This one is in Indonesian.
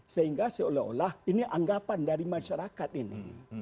sehingga seolah olah ini anggapan dari masyarakat ini